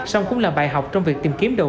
xong cũng là bài học trong việc tìm kiếm nông dân